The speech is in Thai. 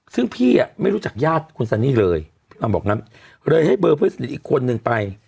ซึ่งพี่ไม่รู้จักญาติคุณซันนี่เลยบอกงั้นเลยให้เบอร์เพื่อนสนิทอีกคนนึงไป